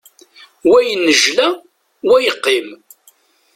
Wa yennejla, wa yeqqim.